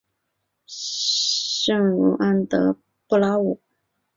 圣茹安德布拉武。